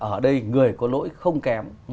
ở đây người có lỗi không kèm